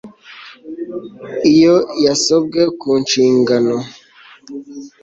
iyo yasobwe ku nshingano